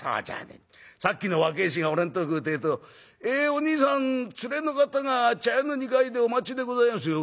さっきの若え衆が俺のとこ来るってえと『えおにいさん連れの方が茶屋の二階でお待ちでございますよ』